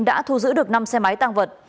đã thu giữ được năm xe máy tăng vật